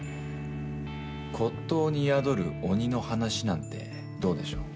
骨董に宿る鬼の話なんてどうでしょう？